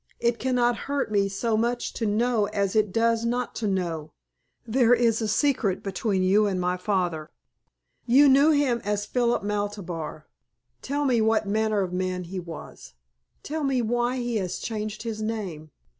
"It cannot hurt me so much to know as it does not to know. There is a secret between you and my father. You knew him as Philip Maltabar. Tell me what manner of man he was. Tell me why he has changed his name.